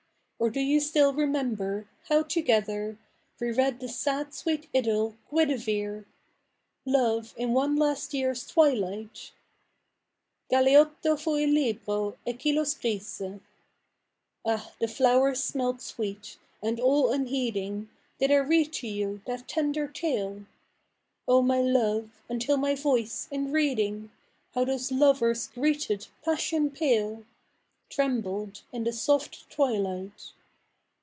Or do you still remember hoiu together We read the sad sweet Idyll ' Guinevere^'' Love, in one last year's twilight ? Galeotto fu il libro, e chi lo scrisse. ' Ah, the /lowers smelt sweet, and all tmheeding Did I read to you that tender tale. Oh my love, until my voice, in reading Haio those lovers greeted 'passion pale,'' Trembled in the soft twilight.